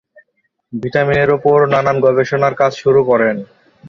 Vitamin এর উপর নানান গবেষণার কাজ শুরু করেন।